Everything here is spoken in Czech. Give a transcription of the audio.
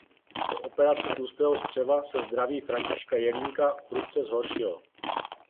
Po operaci tlustého střeva se zdraví Františka Jelínka prudce zhoršilo.